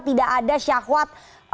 tidak ada syahwat